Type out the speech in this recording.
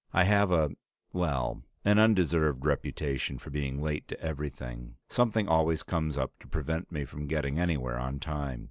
I have a well, an undeserved reputation for being late to everything; something always comes up to prevent me from getting anywhere on time.